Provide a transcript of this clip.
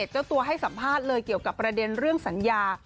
เจ้าตัวให้สัมภาษณ์เลยเกี่ยวกับประเด็นเรื่องสัญญา